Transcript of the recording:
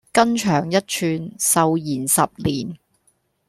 筋長一寸，壽延十年